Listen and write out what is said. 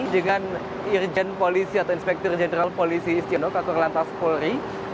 dengan irjen polisi atau inspektur jenderal polisi istino kakor lantas polri